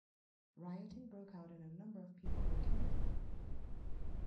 Rioting broke out and a number of people were killed.